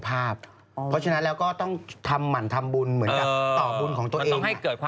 เราพูดถึงวันอายุแล้วดูเยี่ยมออกกะตัวเอง